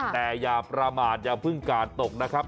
แต่อย่าประมาทอย่าเพิ่งกาดตกนะครับ